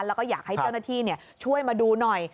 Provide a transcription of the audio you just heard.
แล้วก็อยากให้เจ้าหน้าที่ช่วยมาดูหน่อย